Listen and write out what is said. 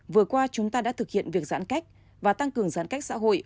vừa qua chúng ta đã thực hiện việc giãn cách và tăng cường giãn cách xã hội